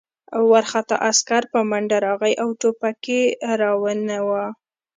وارخطا عسکر په منډه راغی او ټوپک یې را ونیاوه